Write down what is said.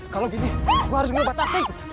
kalau gini gua harus nunggu batas